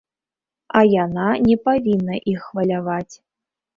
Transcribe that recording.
А яна не павінна іх хваляваць.